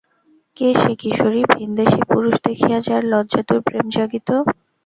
কে সে কিশোরী, ভিনদেশী পুরুষ দেখিয়া যার লজ্জাতুর প্রেম জাগিত?